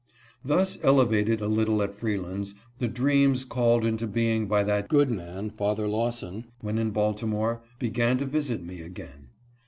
Thus elevated a little at Freeland's, the dreams called into being by that good man, Father Lawson, when in Balti more, began to visit me again.